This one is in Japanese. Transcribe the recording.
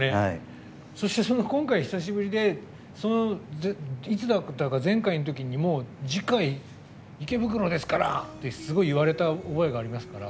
今回、久しぶりでいつだったか前回の時にも次回、池袋ですから！ってすごい言われた覚えがありますから。